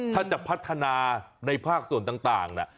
ถ้าจะพัฒนาในภาคส่วนต่าง